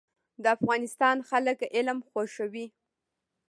د افغانستان خلک علم خوښوي